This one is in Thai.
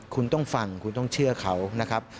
คุณต้องฟังคุณต้องเชื่อเขานะครับ